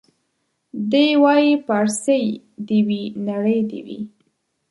دی وايي پارسۍ دي وي نرۍ دي وي